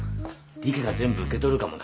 理花が全部受け取るかもな。